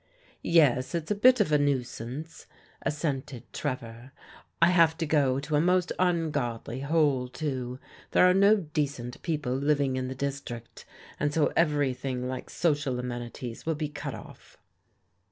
" Yes, it's a bit of a nuisance," assented Trevor, " I have to go to a most ungodly hole, too. There are no decent people living in the district, and so everything like social amenities will be cut off."